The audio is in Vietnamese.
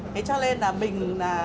thế cho nên là mình